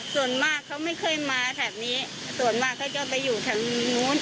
ส่วนมากเขาไม่เคยมาแถบนี้ส่วนมากเขาจะไปอยู่ทางนู้น